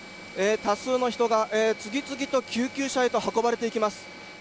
多数の人が次々と救急車へと運ばれていきます。